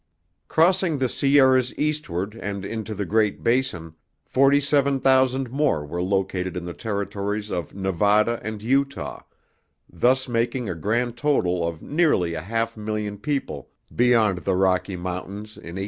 Crossing the Sierras eastward and into the Great Basin, 47,000 more were located in the Territories of Nevada and Utah, thus making a grand total of nearly a half million people beyond the Rocky Mountains in 1860.